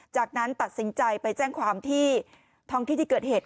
จากนั้นตัดสินใจไปแจ้งความที่ท้องที่ที่เกิดเหตุ